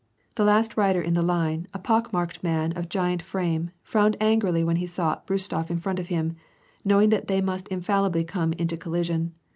The last rider in the Line, a pock marked man of giant frame, frowned angrily when he saw Kostof in front of him, knowing that they must infallibly come into collision.